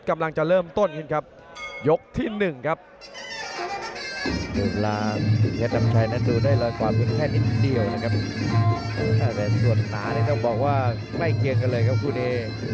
แต่ส่วนหนาต้องบอกว่าไม่เคียงกันเลยครับคุณเอ